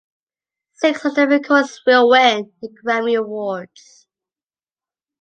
Six of their recordings will win the Grammy Awards.